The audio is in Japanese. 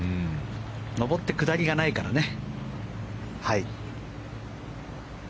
上って下りがないからね。